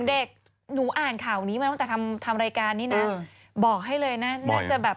นี่ผมอ่านข่าวนี้มาตั้งแต่ทำรายการนี้นะ